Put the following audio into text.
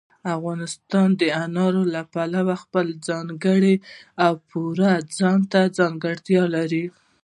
افغانستان د انارو له پلوه خپله ځانګړې او پوره ځانته ځانګړتیا لري.